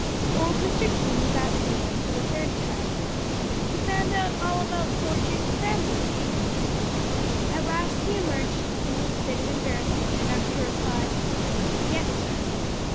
Old Mr. King was asking him for the third time, "You found out all about poor Jim's family, eh?" At last he emerged from his fit of embarrassment enough to reply, "Yes, sir."